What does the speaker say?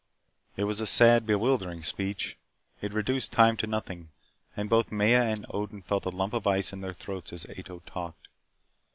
It was a sad, bewildering speech. It reduced time to nothing and both Maya and Odin felt a lump of ice in their throats as Ato talked.